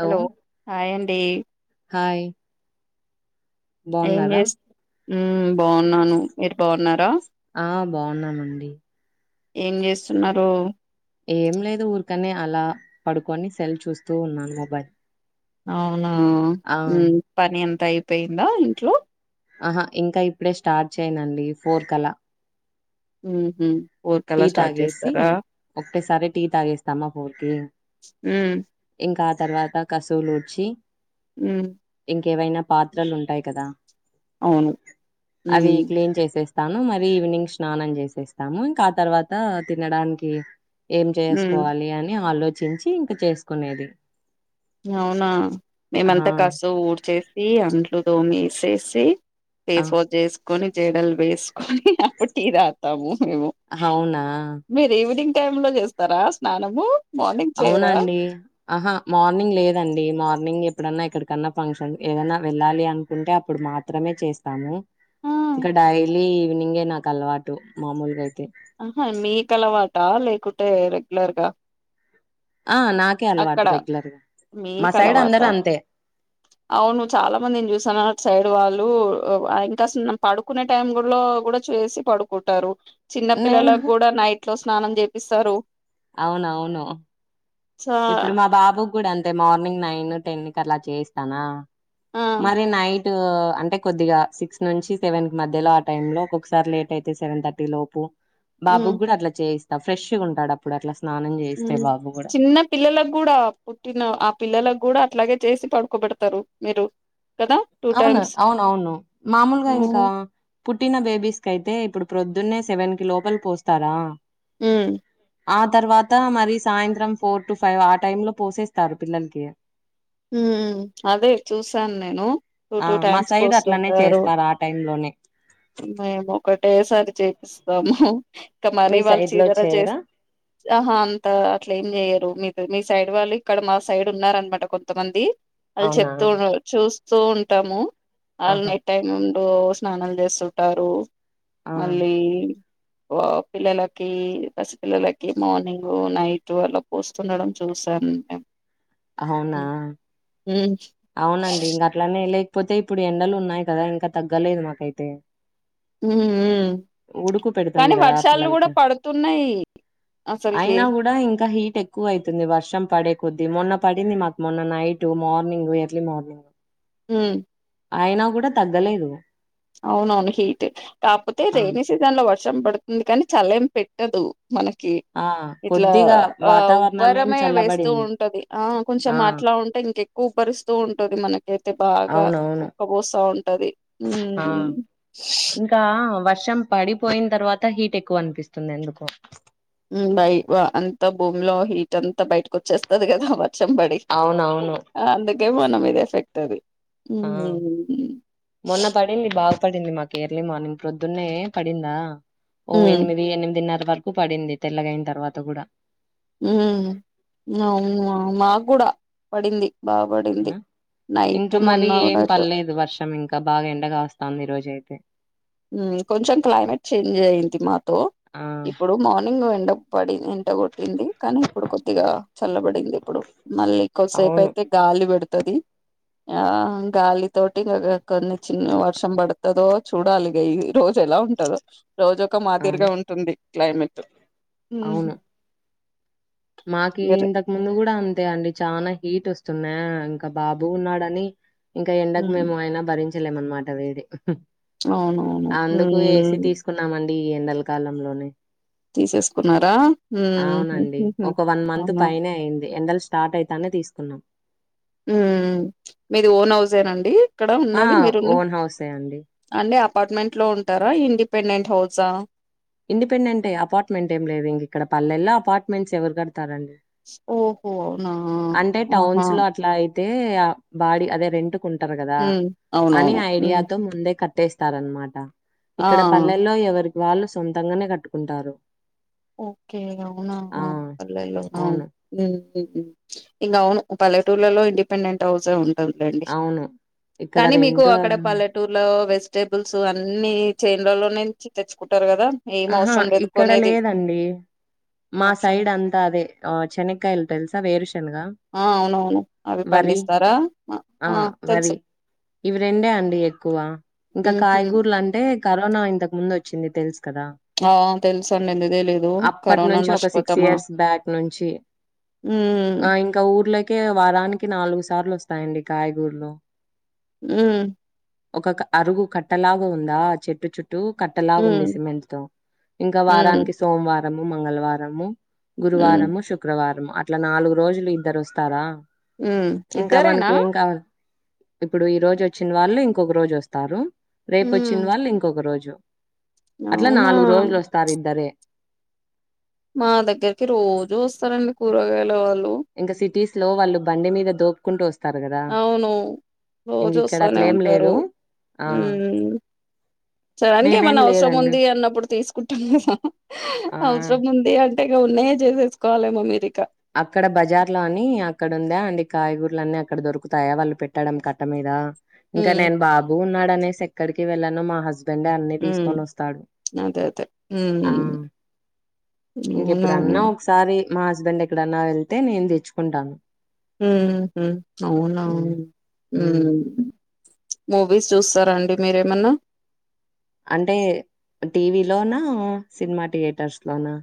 Hello hi అండి hi ఏం బాగున్నారా చేస్త బాగున్నాను మీరు బాగున్నారా ఆ బాగున్నామండి ఏం చేస్తున్నారు ఏం లేదు ఊరికనే అలా పడుకొని సెల్ చూస్తూ ఉన్నాను మొబైల్ అవునా ఆ పని అంతా అయిపోయిందా ఇంట్లో ఆహా ఇంకా ఇప్పుడే స్టార్ట్ చేయనండి ఫోర్ కలా ఉహు టీ తాగేసి ఒకటేసారి టీ తాగేస్తామా ఫోర్ కి ఉమ్ ఇంకా ఆ తర్వాత కసుూవులుడ్చి ఉమ్ ఏవైనా పాత్రలు ఉంటాయి కదా అవును అవి మ్మ్ క్లీన్ చేసేస్ స్తాను మరి ఈవినింగ్ స్నానం చేసేస్తాము ఇంకా ఆ తర్వాత తినడానికి ఏం మ్మ్ చేసుకోవాలి అని ఆలోచించి ఇంక చేసుకునేది అవునా ఆ మేమంతా కాసు ఊడ్చేసి అంట్లు తోమేసేసి ఆ ఫేస్ వాష్ చేసుకొని జడలు వేస్ అప్పుడు టీ తాగుతాము మేము అవునా మీరు ఈవినింగ్ టైం లో చేస్తారా స్నానము మార్నింగ్ చేయరా అవునండి ఆహా మార్నింగ్ లే మార్నింగ్ ఎప్పుడన్నా ఇక్కడికన్నా ఫంక్షన్ ఏదన్నా వెళ్ళాలి అనుకుంటే అప్పుడు మాత్రమే చేస్తాము ఆ ఇంకా డైలీ ఈవినింగే నాకు అలవాటు మామూలుగా ఆహా మీకు అలవాట లేకుంటే రెగ్యులర్గా ఆ నాకే అలవాటు రెగ్యులర్గా మా సైడ్ అందరూ మీకలవాటా అంతే అవును చాలా మందినీ చూసాను అటు సైడ్ వాళ్ళు ఇంకా పడుకునే టైం లో కూడా చేసి పడుకుంటారు చిన్న నేను పిల్లలకు కూడా నైట్ లో స్నానం చేపిస్తారు అవునవును చా ఇప్పుడు మా బాబు గుడా అంతే మార్నింగ్ నైన్ టెన్కి అట్లా చేయిస్తానా ఆ మరి నయి అంటే కొద్దిగా సిక్స్ నుంచి సెవెన్ కి మధ్యలో ఆ టైం లో ఒక్కొక్కసారి లేట్ అయితే సెవెన్ థర్టీ లోపు హ్మ్ బాబు కూడా అట్లా చేయిస్తా ఫ్రెష్గా ఉంటాడు అప్పుడు అట్లా స్నానం చేస్తే హ్మ్ బాబు కూడా చిన్న పిల్లలకు కూడా పుట్టిన ఆ పిల్లలకు కూడా అట్లాగే చేసి పడుకోబెడతారు మీరు కదా టూ అవును టైమ్స్ అవునవును మామూలుగా ఇంకా హ్మ్ పుట్టిన బేబీస్కి అయితే ఇప్పుడు ప్రొద్దున్నే సెవెన్ కి లోపలి పోస్తారా ఉమ్ ఆ తర్వాత మరి సాయంత్రం ఫోర్ టు ఫైవ్ ఆ టైమ్ లో పోసేస్తారు పిల్లలకి ఉమ్ అదే చూసాను నేను టూ ఆ! టూ మా టైమ్స్ సైడ్ అట్లనే పోస్తుంటారు చేస్తారు ఆ టైంలోనే. మేము ఒకటేసారి చేపిస్తాము ఇంకా మరీ మీ వాళ్ళు సైడ్‌లో చీదర చేస్ చేయరా? ఆహా అంతా అట్ల ఏం చెయ్యరు మీ మీ సైడ్ వాళ్ళు ఇక్కడ మా సైడ్ ఉన్నారు అన్నమాట కొంతమంది వాళ్ళు అవునా? చెప్తూ ఉ చూస్తూ ఉంటాము వాళ్ళు ఆహా! నైట్ టైమ్ రోజు స్నానం చేస్తుంటారు ఆ! మళ్ళీ పిల్లలకి పసిపిల్లలకి మార్నింగ్ నైట్ అల్ల పూస్తుండడం చూస్తా వన్ టైం అవునా హ్మ్. అవునండి ఇంక అట్లానే లేకపోతే ఇప్పుడు ఎండలు ఉన్నాయి కదా ఇంకా తగ్గలేదు మాకైతే ఉ హు ఉడుకు పెడుతుంది కానీ కదా వర్షాలు కూడా పిల్లలకి. పడుతున్నాయి అసలుకి అయినా కూడా ఇంకా హీట్ ఎక్కువ అవుతుంది వర్షం పడే కొద్ది మొన్న పడింది మాకు మొన్న నైట్ మార్నింగ్ ఎర్లీ మార్నింగ్ ఉ ఆయనా కూడా తగ్గలేదు అవునవును హీట్ కాకపోతే ఆ రెైనీ సీజన్ లో వర్షం పడుతుంది కానీ చలిమ్ పెట్టదు మనకి ఆ ఇట్లా కొద్దిగా ఆ వాతావరణం ఏం ఉబ్బరమే వేస్తూ చల్లబడింది. ఉంటది ఆ కొంచెం ఆ మాట్లా అ అట్లా ఉంటే ఎక్కువ భరిస్తా ఉంటది మనకైతే బాగా అవునవును ఊక్కపోస్తా ఉంటది ఆ ఇంకా వర్షం పడిపోయిన తర్వాత హీట్ ఎక్కువ అనిపిస్తుంది ఎందుకో బయట అంతా భూమిలో హీట్ అంతా బయటకు వచ్చేస్తది కదా చంబడి అవునవును అందుకే మన మీద ఎఫెక్ట్ అది ఆ ఉమ్. మొన్న పడింది బాగా పడింది మాకు ఎర్లీ మార్నింగ్ ప్రొద్దున్నే పడిందా ఓ ఉమ్, ఎనిమిది ఎనిమిదిన్నర వరకు పడింది తెల్లగయిన తర్వాత కూడా ఉమ్. అవును మా- మాకు కూడా పడింది బాగా పడింది అవునా నైట్ ఇంకా మళ్ళీ మొన్న ఏం కూడాటు పర్లేదు వర్షం ఇంకా బాగా ఎండ కాస్తంది ఈ రోజ అయితే కొంచెం క్లైమేట్ చేంజ్ అయింది మాతో ఆ ఇప్పుడు మార్నింగ్ ఎండ పడింది ఎండ కొట్టింది కానీ ఇప్పుడు కొద్దిగా చల్లబడింది ఇప్పుడు మళ్ళీ కోద్ధి సేపు అవును అయితే గాలి పెడతది ఆ గాలి తోటి ఇంకా కొన్ని చిన్న వర్షం పడుతదో చూడాలి ఈ రోజు ఎలా ఉంటదొ రోజు ఒక అవును మాదిరిగా ఉంటుంది క్లైమేట్ ఊ అవును మాకి ఇంతకు ముందు కూడా అంత అంతే అండి చనా హీట్ వస్తున్నాయా ఇంకా బాబు ఉన్నాడని ఇంకా ఎండకు మేము ఆయినా భరించ భరించలేమన్నన మాట అవునవును అందుకు ఏసి ఉమ్ తీసుకున్నామంటే ఈ ఎండల కాలంలోనే తీసేసుకున్నారా అవునండి హు ఒక వన్ మంత్ అవునా పైనే అయింది ఎండలు స్టార్ట్ అయితానే తీసుకున్నాం ఉ మీది ఓన్ హౌసేనా అండి అక్కడ ఆ ఉన్నది మీరున్న ఓన్ హౌసే అండి అండి అపార్ట్మెంట్ లో ఉంటారా ఇండిపెండెంట్ హౌసా ఇండిపెండెంట్ అపార్ట్మెంట్ ఏమి లేదు ఇంక ఇక్కడ పల్లెల్లో అపార్ట్మెంట్స్ ఎవరు ఉంటారు అండి ఓహో! అవునా! అంటే ఆహా! టౌన్స్ లో అట్లా అతే బాడ అదే రెంటుకుంటారు కదా హ్మ్. అని అవునవును. హ్మ్. ఐడియాతో ముందే క కట్టేస్తారనమాట ఆ! ఇక్కడ పల్లెల్లో ఎవరి వాళ్ళు సొంతంగానే కట్టుకుంటారు ఓకే అవునా ఆ! పల్లెల్లో అవును. ఇంకా అవును పల్లెటూర్లలో ఇండిపెండెంట్ హౌసే ఉంటంది గంతే అండి అవును. ఇక్కడ కానీ మీకు రెంటు అక్కడ అన్ పల్లెటూరులో వెజిటేబుల్స్ అన్ని చేన్లాల నుంచి తెచ్చుకుంటారు కదా ఏం అహా! అవసరం లేదు ఇక్కడ కోనేది. లేదండి. మా సైడ్ అంత అదే చెనక్కాయలు తెలుసా వేరు. ఆహ్ అవునవును అవి వరి పండిస్తారా ఆ! ఆహ్ వరి తెలుసు. ఇవి రెండే అండి ఎక్కువ ఇంకా హుహు. కాయగూరలు అంటే కరోనా ఇంతకు ముందు వచ్చింది తెలుస. కదా ఆ! తెలుసండి. ఎందుకు తెలీదు. అప్పటి కరోనాను నుంచి ఒక సిక్స్ మర్చిపోతామా? ఇయర్స్ బ్యాక్ నుంచి. హ్మ్. ఆహ్ ఇంకా ఊర్లోకే వారానికి నాలుగు సార్లు వస్తాయండి కాయగూర్లు. ఉమ్. ఒక క అరుగు కట్టలాగా ఉందా చెట్టు చుట్టూ కట్టలాగా ఉంది. హ్మ్. ఇంకా హ్మ్. వారానికి సోమవారము మంగళవారము హ్మ్. గురువారము శుక్రవారం. అట్లా నాలుగు రోజులు ఇద్దరు వస్తారా హ్మ్. ఇంకా ఇద్దరేనా? మనకి ఏం కావాలి. ఇప్పుడు ఈ రోజు వచ్చిన వాళ్ళు ఇంకొక రోజు వస్తారు హ్మ్. రేపువచ్చిన వాళ్ళు ఇంకొక రోజు. అట్లా అవునా! నాలుగు రోజులు వస్తారు ఇద్దరే. మా దగ్గరికి రోజు వస్తారండి కూరగాయల వాళ్ళు. ఇంకా సిటీస్ లో వాళ్ళు బండి మీద దోపుకుంటూ వస్. అవును రోజు ఇంగిక్కడ వస్తూనే అట్లేం ఉంటారు లేదు. ఆ ఉమ్. సడన్గా మేమేం ఏమన్నా అవసరం లేదండి. ఉంది అన్నప్పుడు తీసుకుంటాం కదా ఆ అవసరం ఉంది అం. ఇగా ఉన్నాయే చేసేసుకోవాలమో మీరికా. అక్కడ బజార్ లో అని అక్కడ ఉందా అండి కాయగూరలు అన్నీ అక్కడ దొరుకుతాయా వాళ్ళు పెట్టాడం కట్ట మీద. ఇంకా హ్మ్. నేను బాబు ఉన్నాడు అనేసి ఎక్కడికి వెళ్ళాను మా హస్బెండ్. బెండే అన్ని హ్మ్. తీసుకొని వస్తాడు అదే. అదే. హ్మ్. ఆహ్ అవునా! ఇంకెప్పుడన్నా ఒకసారి మా హస్బెండ్ ఎక్కడన్నా వెళ్తే నేను తెచ్చుకుంటాను. ఉమ్ ఉమ్ అవునా హ్మ్. ఉమ్. హ్మ్. మూవీస్ చూస్తారాండి మీరేమన్నా. అంటే టీవీ లోనా సినిమా థియేటర్స్ లోనా.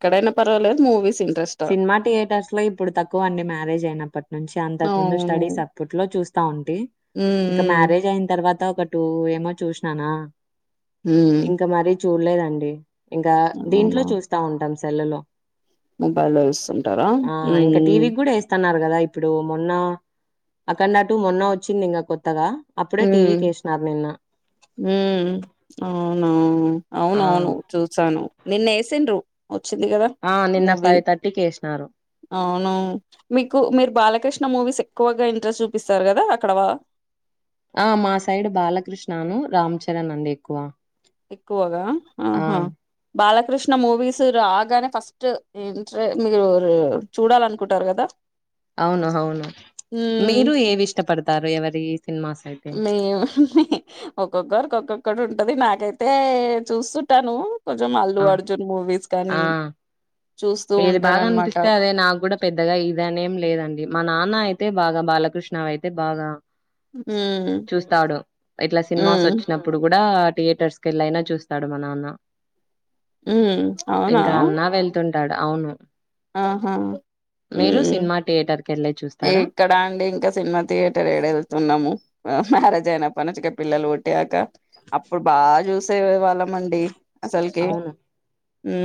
ఇక్కడైనా పర్వాలేదు మూవీస్. ఇంట్రెస్టా? సినిమా థియేటర్స్ లో ఇప్పుడు తక్కువ అండి మ్యారేజ్ అయినప్పటి నుంచి అంతకు ముందు అవును. స్టడీస్ అప్పుట్లో చూస్త. వస్తా ఉంటే హ్మ్. ఇంకా హ్మ్. మ్యారేజ్ అయిన తర్వాత ఒక టూ ఏమో చూసినానా. హ్మ్. ఇంకా మరీ చూడలేదండి ఇంకా దీంట్లో చూస్తా ఉంటాం. సెల్లులో. మొబైల్లో చూస్తుంటారా ఉమ్. కదా ఇప్పుడు మొన్న అక్కడ అటు మొన్న వచ్చింది ఇంకా కొత్తగా. అప్పుడే ఉమ్ టీవీకేసినారు నిన్న. ఉమ్ అవును. ఆహ్ ఆ! అవునవును చూసాను నిన్న వేసిండ్రు. వచ్చింది కదా ఆ! నిన్న మూవీ అవును మీకు మీరు బాలకృష్ణ. మూవీస్ ఎక్కువగా ఇంట్రెస్ట్ చూపిస్తారు కదా అక్కడ వా ఆహ్ మా సైడు బాలకృష్ణను రామ్ చరణ్ అండి ఎక్కువ. ఎక్కువగా ఆ! ఆహా బాల కృష్ణ మూవీస్ రాగానే ఫస్ట్ ఏంటా మీరు చూడాలనుకుంటారు కదా. అవును అవును మ్మ్ మీరు ఏవి ఇష్టపడతారు ఎవరి. సినిమాస్ అయితే? మేము ఒక్కొక్కారికి ఒక్కొక్కడు ఉంట్. అంటది నాకైతే చూస్తుంటాను కొంచెం అల్లు ఆ! అర్జున్ మూవీస్ కానీ. ఆ! చూస్తూ ఏది బాగా ఉంటారనమాట అనిపిస్తే అదే నాకు కూడా పెద్దగా ఇదనేం లేదండి. మా నాన్న అయితే బాగా బాలకృష్ణవి అయితే బాగా.. మ్మ్ చూస్తాడు ఇట్లా సినిమాస్ మ్మ్ వచ్చినప్పుడు కూడా థియేటర్. టర్స్ కి వెళ్ళైన చూస్తాడు మా నాన్న మ్మ్ అవునా ఇంకా అన్న వెళ్తాడు. ఆడ అవును ఆహా మీరు హ్ సినిమా థియేటర్ కెళ్ళే చూస్తారా ఏక్కడ అండి ఇంకా సినిమా థియేటర్ ఏడ వెళ్తున్నాము. మ్యారేజ్ అదయినాప్పనుంచి పిల్లలు పూట్టాక అప్పుడు బాగా చూసే వాళ్ళం మండి అసలుకి అవును హ్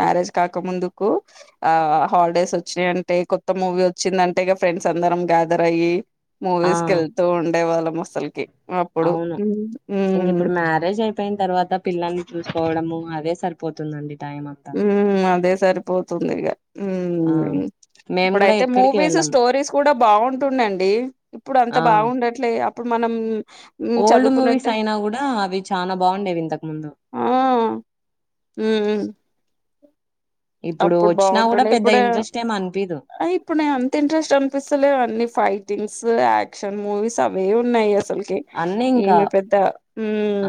మ్యారేజ్ కాక ముందుకు ఆ హాలిడేస్ వచ్చినాయియంటే కొత్త మూవీ వచ్చిందంటే ఇక ఫ్రెండ్స్ అందరం గ్యాదర్ అయ్యి ఆ మూవీస్ కు ఏళ్తూ ఉండే వాళ్ళం అసలకి అప్పుడు అవును హ్మ్ ఇంక హ్మ్ ఇప్పుడు మ్యారేజ్ అయిపోయిన తర్వాత పిల్లల్ని చూస్ కోవడము అదే సరిపోతుందండి టైం అంతా ఉ అదే సరిపోతుంది ఇగా ఆ మేము కూడా ఆప్పుడయితే ఎక్కడికి మూవీస్ వెళ్ళాం స్టోరీస్ కూడా బాగుంటుండండి ఇప్పుడు అంత ఆ బాగుండట్లే ఇప్పుడు మనం హ్మ్ ఓల్డ్ మూవీస్ చదువుకున్నట్టే అయినా కూడా అవి చనా బాగుండేవి ఇంతకు ముందు హ్ ఇప్పుడు అప్పుడు వచ్చినా కూడా బాగుంటుండే పెద్ద ఇప్పుడే ఇంట్రెస్ట్ ఏం అనిపిదు హా ఇప్పుడు నే అంత ఇంట్రెస్ట్ అనిపిస్తలే అన్నీ ఫైట్ టీంగ్స్ యాక్షన్ మూవీస్ అవే ఉన్నాయి అసలకి అన్నీ ఇంకా ఈమె పెద్ద ఉ ఆ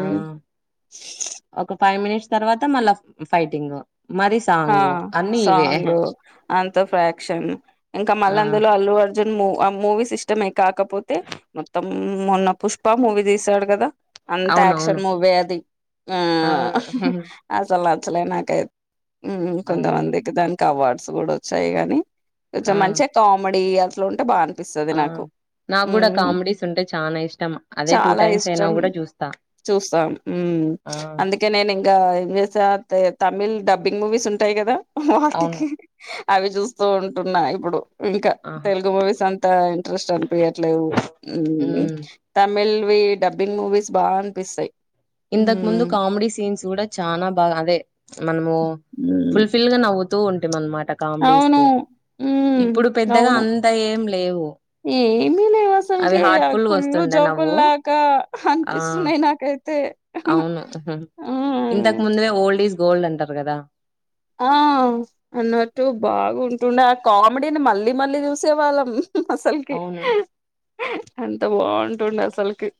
ఒక ఫైవ్ మినిట్స్ తర్వాత మళ్ళ ఫైటింగ్ మరి ఆ సాంగ్ అన్ని ఇవే సాంగ్ అంత ఫ్రాక్షన్ ఇంకా ఆ మళ్ళీ అందులో అల్లు ఆ జన్ మూ ఆ మూవీస్ ఇష్టమ అ కాకపోతే మొత్తం మొన్న పుష్ప మూవీ తీసాడు కదా అంత ఆక్షన్ అవునవును మూవే అది ఆ అవును అసలు నా నచ్చలే నాకైతే ఉ ఆ కొంతమందికి దానికి అవార్డ్స్ కూడా వచ్చాయి గానీ ఆ కొంచెం మంచిగా కామెడీ అట్ల ఉంటే బాగా అనిపిస్తది ఆ నాకు నాకు కూడా ఉమ్ కామెడీస్ ఉంటే చాలా ఇష్టం అదే టూ చాలా టైమ్స్ అయినా ఇష్టం కూడా చూస్తా చూస్తాం హ్ ఆ అందుకే నేను ఇంకా ఏం చేస్త తమిళ్ డా బింగ్ మూవీస్ ఉంటాయి కదా అవును వాటికి అవి చూసస్తూ ఉంటున్నా ఇప్పుడు ఇంకా ఆహా తెలుగు మూవీస్ అంతా ఇంట్రెస్ట్ అనిపయట్లేదు ఉమ్ తమిళ్ వి డబ్బింగ్ మూవీస్ బాగా అనిపిస్తాయి ఇంతకు ముందు మ్మ్ కామెడీ సీన్స్ కూడా చనా బాగా అదే మనము మ్మ్ ఫుల్ఫిల్ గా నవ్వుతూ ఉంటిమి అన్నమాట కామెడీస్ అవును కి మ్మ్ ఇప్పుడు పెద్దగా అవును అంతగా ఏం లేవు ఏమీ లేవు అవి అసలుకి హార్ట్ఫుల్ గా కుళ్ళు వస్తుండే నవ్వు జోకుల్లాక ఆ అనిపిస్తున్నాయి. నాకైతే అవును మ్మ్ ఇంతకు ముందునే ఓల్డ్ ఈజ్ గోల్డ్ అంటారు కదా ఆ అన్నట్టు బాగుంటుండే ఆ కామెడీని మళ్ళీ మళ్ళీ చూసేవాళ్ళం అసలుకి అవును ఏంత బాగుంటుండే అసలుకి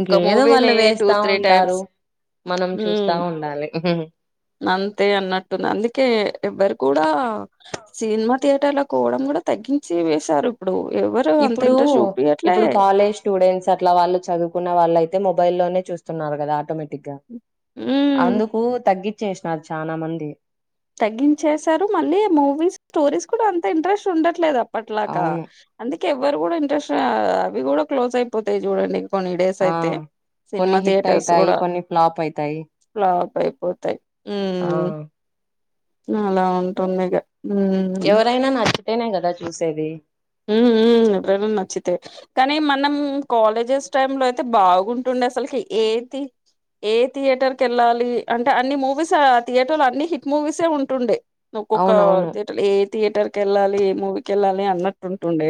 ఒక్క వాళ్ళు మూవీని టూ వేస్తా త్రీ ఉంటారు టైమ్స్ మనం చూస్తా హ్ ఉండాలి అంతే అన్నట్టుంది అందుకే ఎవ్వరు కూడా సినిమా థియేటర్ లకు పోవడం కూడా తగ్గించేస్ సారీప్పుడు ఇప్పుడు ఇప్పుడు కాలేజ్ స్టూడెంట్స్ అట్లా వాళ్ళు చదువుకున్న వాళ్ళ అయితే ము మొబైలోనే చూస్తున్నారు కదా ఆటోమేటిక్ గా ఉమ్ అందుకు తగ్గి చేసినరూ చానా మంది తగ్గించేసిసారు మళ్ళీ మూవీస్ స్టోరీస్ కూడా అంత ఇంట్రెస్ట్ ఉండట్లేదు అప్పట్లాక అవును అందుకే ఎవ్వరు కూడా ఇంట్రెస్ట్ అవి కూడా క్లోజ్ అయిపోతాయి చూడండి కొన్ని డేస్ ఆ అయితే కొన్ని సినిమా హిట్ థియేటర్స్ అయితాయి కూడా కొన్ని ఫ్లాప్ అయితాయి ల పైపోతాయ్ ఆ అలా ఉంటుందిగ మ్ ఉంటేనే కదా చూసేది మ్ మ్ ఎవరైనా నచ్చితే కానీ మనం కాలేజెస్ టైమ్ లో అయితే బాగుంటుండే అసలుకి ఏ తి ఏ థియేటర్కి వెళ్ళాలి అంటే అన్ని మూవీస్ ఆ థియేటర్ లో అన్ని హిట్ మూవీసే ఉంటుండే ఒక్కొక్క అవునవును థియేటర్ ఏ థియేటర్ క వెళ్ళాలి ఏ మూవీకి వెళ్ళాలి అన్నట్టు ఉంటుండే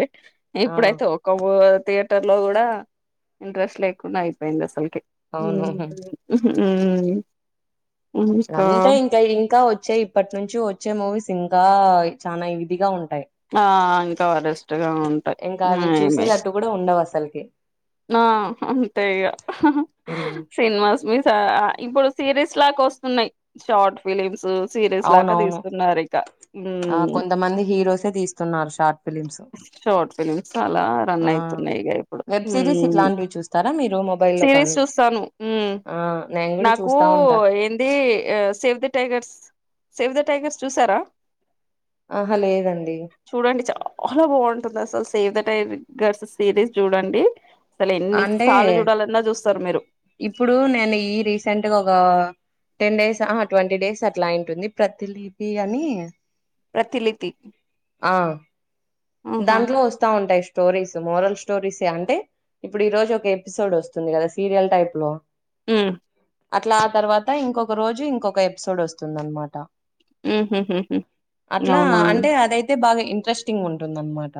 ఆ ఇప్పుడైతే ఒక వ థియేటర్ లో కూడా ఇంట్రెస్ట్ లేకుండా అయిపోయింది అసల్ క్ అవును మ్ అంటే ఇంకా ఇంకా వచ్చే ఇప్పటి నుంచి వచ్చే మూవీస్ ఇంకా చాలనా ఇదిగా ఉం ఆ ఇంకా వరిస్ట్గా ఉంటాయి ఇంకా అవి ఏమ్ చూసేటట్టు కూడా ఉండవు అసలుకి ఆ అంతే ఇగ మ్మ్ సినిమాస్ ద ఇప్పుడు సిరీస్ లాకోస్తున్నాయి షార్ట్ ఫిలిమ్స్ సీరియస్ లాకా అవునవును తీస్తున్నారు ఇక ఆ మ్ కొంతమంది హీరోసే తీస్తున్నారు షార్ట్ ఫిలిమ్స్ షార్ట్ ఫిలిమ్స్ అాలా రన్ ఆ అయితున్నాయి ఇగ ఇప్పుడు వెబ్ సిరీస్ మ్ ఇట్లాంటివి చూస్తారా మీరు మొబైల్లో సిరీస్ కానీ చూస్తాను మ్ ఆ నేను కూడా నాకు చూస్తా ఉంటా ఏంది save the tigers save the tigers చూసారా ఆ హ లేదం చూడండి చాలా బాగుంటుంది అసలు save the tigers series చూడండి అసలు అంటే ఎన్నిసార్లు చూడాలన్నా చూస్తారు మీరు ఇప్పుడు నేను ఈ రీసెంట్గా ఒక టెన్ డేస్ ఆహా ట్వంటీ డేస్ అట్లా అంటుంది ప్రతి లిపి అని ఫర్టిలిటి ఆ దాంట్లో వస్తా ఉంటాయి స్టోరీస్ మోరల్ స్టోరీస్ అంటే ఇప్పుడు ఈ రోజు ఒక ఎపిసోడ్ వస్తుంది కదా సీరియల్ టైప్ లో మ్ అట్లా ఆ తర్వాత ఇంకొక రోజు ఇంకొక ఎపిసోడ్ వస్తుందన్నమాట మ్మ్ హ్మ్ హ్మ్ అట్లా అవునా? అంటే అదైతే బాగా ఇంట్రెస్టింగుంటుందన్నమాట